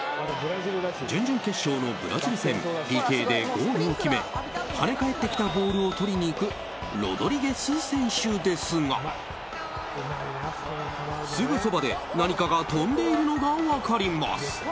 準々決勝のブラジル戦ＰＫでゴールを決め跳ね返ってきたボールを取りに行くロドリゲス選手ですがすぐそばで何かが飛んでいるのが分かります。